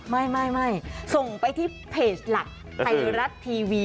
ไม่ส่งไปที่เพจหลักไทยรัฐทีวี